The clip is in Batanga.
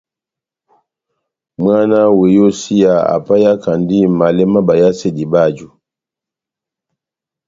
Mwána wa iyósiya apahiyakandi malɛ má bayasedi báju.